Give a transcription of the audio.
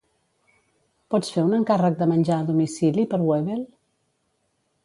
Pots fer un encàrrec de menjar a domicili per Webel?